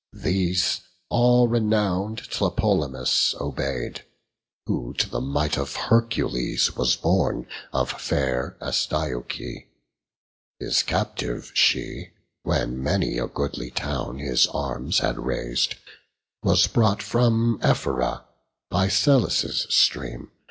These all renown'd Tlepolemus obey'd, Who to the might of Hercules was born Of fair Astyoche; his captive she, When many a goodly town his arms had raz'd, Was brought from Ephyra, by Selles' stream.